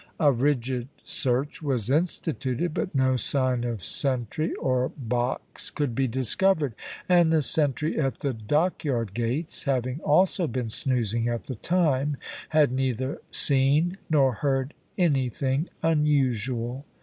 A rigid search was instituted, but no sign of sentry or box could be discovered, and the sentry at the Dockyard gates, having also been snoozing at the time, had neither seen nor heard anything unusual.